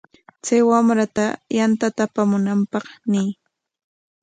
Chay wamra yantata apamunanpaq ñiy.